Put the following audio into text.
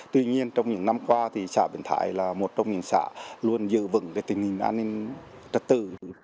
tuy nhiên trong những năm qua thì xã biển thái là một trong những xã luôn dự vững cái tình hình an ninh trật tự